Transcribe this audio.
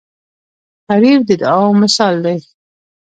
غریب د دعاو مثال دی